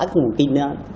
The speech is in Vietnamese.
cái nguồn tin đó